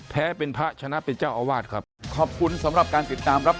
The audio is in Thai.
แพ้เป็นพระชนะเป็นเจ้าอาวาสครับ